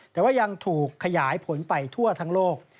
แต่ว่ายังถูกขยายผลไปทั่วทั้งโลก